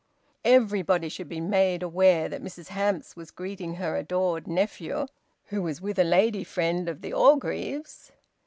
Everybody should be made aware that Mrs Hamps was greeting her adored nephew, who was with a lady friend of the Orgreaves.